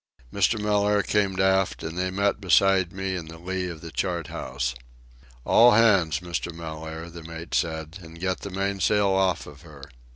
Mr. Mellaire came aft, and they met beside me in the lee of the chart house. "All hands, Mr. Mellaire," the mate said, "and get the mainsail off of her.